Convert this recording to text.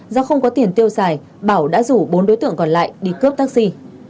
do không có tiền tiêu xài bảo đã rủ bốn đối tượng còn lại đi cướp taxi